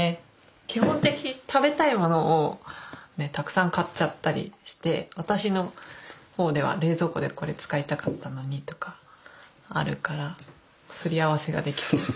基本的食べたいものをねったくさん買っちゃったりして私の方では冷蔵庫でこれ使いたかったのにとかあるからすり合わせができる。